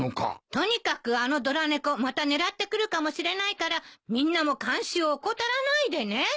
とにかくあのドラ猫また狙ってくるかもしれないからみんなも監視を怠らないでね。